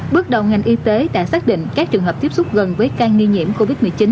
bước đầu ngành y tế đã xác định các trường hợp tiếp xúc gần với ca nghi nhiễm covid một mươi chín